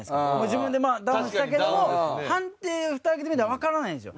自分でダウンしたけども判定ふた開けてみたらわからないんですよ。